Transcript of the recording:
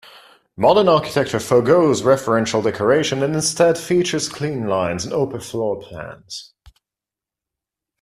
Modern architecture forgoes referential decoration and instead features clean lines and open floor plans.